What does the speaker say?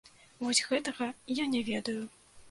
Вось гэтага я не ведаю!